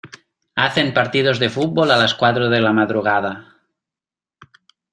Hacen partidos de fútbol a las cuatro de la madrugada.